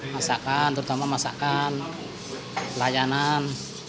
masakan terutama masakan pelayanan